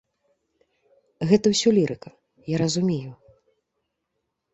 Гэта ўсё лірыка, я разумею.